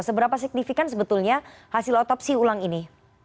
seberapa signifikan sebetulnya hasil otopsi ulang ini